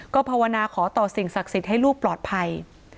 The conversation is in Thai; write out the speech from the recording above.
ก็ภาวนาขอต่อสิ่งศักดิ์สิทธิ์ให้ลูกปลอดภัย